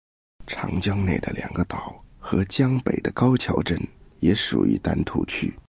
长江内的两个岛和江北的高桥镇也属于丹徒区。